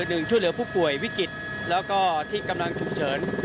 หนึ่งช่วยเหลือผู้ป่วยวิกฤตแล้วก็ที่กำลังฉุกเฉิน